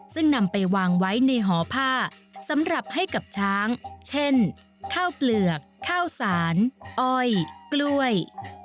ซึ่งนำไปวางไว้ในหอผ้าสำหรับให้กับช้างเช่นข้าวเปลือกข้าวสารอ้อยกล้วย